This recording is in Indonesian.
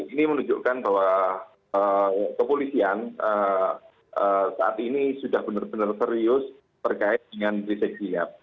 ini menunjukkan bahwa kepolisian saat ini sudah benar benar serius terkait dengan rizik sihab